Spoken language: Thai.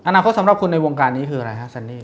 อนาคตสำหรับคุณในวงการนี้คืออะไรฮะซันนี่